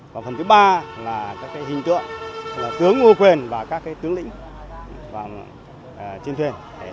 và phần thứ ba là các hình tượng là tướng ngô quyền và các tướng lĩnh trên thuyền